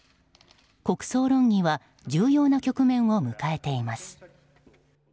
国葬論議は重要な局面を迎えています。